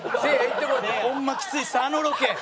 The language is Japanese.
ホンマきついですあのロケ。